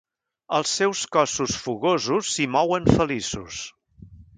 Els seus cossos fogosos s'hi mouen feliços.